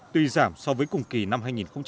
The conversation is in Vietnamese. tuy giảm so với cùng kỳ năm hai nghìn một mươi chín